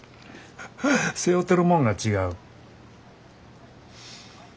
背負てるもんが違う。